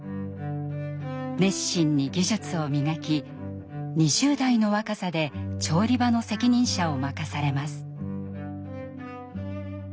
熱心に技術を磨き２０代の若さで調理場の責任者を任されます。